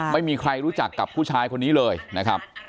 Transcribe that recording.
ไม่มีใครรู้จักกับผู้ชายคนนี้เลยนะครับ